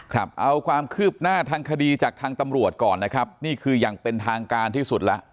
ครับเอาความคืบหน้าทางคดีจากทางตำรวจก่อนนะครับนี่คืออย่างเป็นทางการที่สุดแล้ว